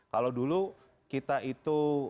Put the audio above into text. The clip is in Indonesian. kalau dulu kita itu